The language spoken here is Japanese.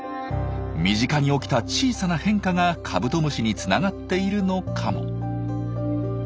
身近に起きた小さな変化がカブトムシにつながっているのかも。